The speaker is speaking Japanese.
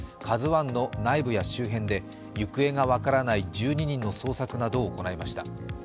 「ＫＡＺＵⅠ」の内部や周辺で行方が分からない１２人の捜索などを行いました。